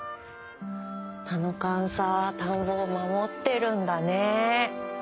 田の神さぁ田んぼを守ってるんだね。